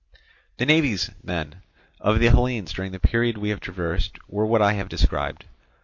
The navies, then, of the Hellenes during the period we have traversed were what I have described.